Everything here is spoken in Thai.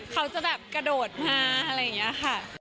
เขาจะแบบกระโดดมาอะไรอย่างนี้ค่ะ